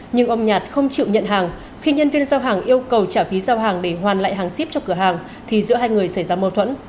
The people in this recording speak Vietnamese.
nhưng ông nhạt không chịu nhận hàng khi nhân viên giao hàng yêu cầu trả phí giao hàng để hoàn lại hàng ship cho cửa hàng thì giữa hai người xảy ra mâu thuẫn